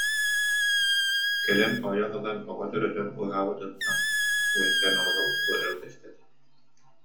«Кэлэн ойох ылан, оҕо төрөтөн ууһаабытыттан үөскээн олоробут бу элгэстэр»